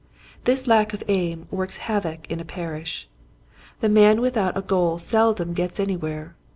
This lack of aim works havoc in a par ish. The man without a goal seldom gets anywhere.